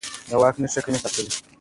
د واک نښې يې کمې ساتلې.